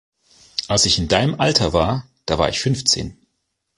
Als ich in deinem Alter war, da war ich Fünfzehn.